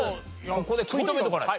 ここで食い止めておかないと。